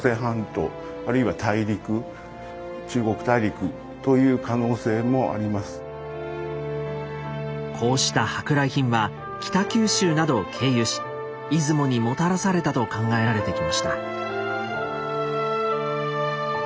あるいは大陸こうした舶来品は北九州などを経由し出雲にもたらされたと考えられてきました。